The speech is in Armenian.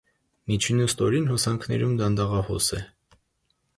Միջին ու ստորին հոսանքներում դանդաղահոս է։